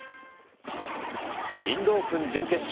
インドオープン準決勝。